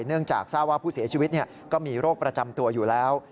เนื่องจากทราบว่าผู้เสียชีวิตก็มีโรคประจำตัวอยู่แล้ว